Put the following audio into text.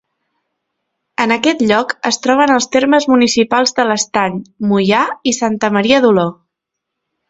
En aquest lloc es troben els termes municipals de l'Estany, Moià i Santa Maria d'Oló.